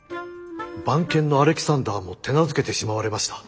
番犬のアレキサンダーも手なずけてしまわれました。